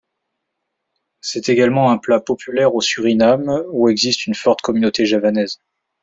C'est également un plat populaire au Suriname, où existe une forte communauté javanaise.